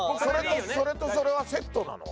それとそれはセットなの？